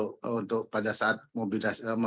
sebelumnya kita sudah melihat ya kemungkinan e commerce itu